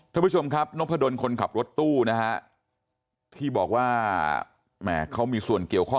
เป็นแปลกแบบน้องพอร์โดนคนขับรถตู้นะที่บอกว่าเขามีส่วนเกี่ยวพร